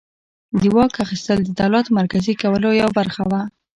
د واک اخیستل د دولت مرکزي کولو یوه برخه وه.